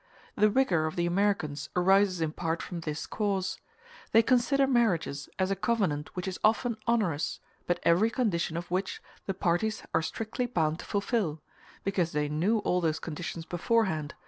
The rigor of the Americans arises in part from this cause. They consider marriages as a covenant which is often onerous, but every condition of which the parties are strictly bound to fulfil, because they knew all those conditions beforehand, and were perfectly free not to have contracted them.